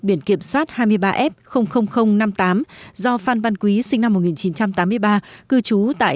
biển kiểm soát hai mươi ba f năm mươi tám do phan văn quý sinh năm một nghìn chín trăm tám mươi ba cư trú tại